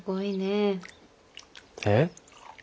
えっ？